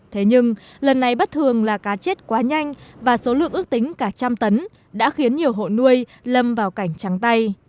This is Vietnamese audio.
thế nhưng lần này bất thường là cá chết quá nhanh và số lượng ước tính cả trăm tấn đã khiến nhiều hộ nuôi lâm vào cảnh trắng tay